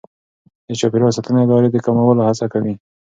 د چاپیریال ساتنې اداره د کمولو هڅه کوي.